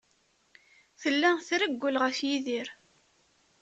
Tella trewwel ɣef Yidir.